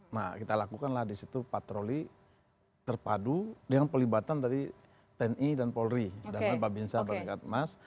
nah kita lakukanlah di situ patroli terpadu dengan pelibatan dari tni dan polri dan babinsa baringkat mas